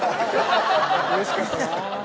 うれしかったなぁ。